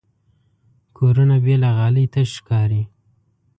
کورونه بې له غالۍ تش ښکاري.